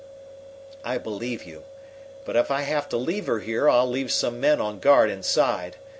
"I believe you. But if I have to leave her here I'll leave some men on guard inside.